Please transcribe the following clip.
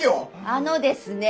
あのですね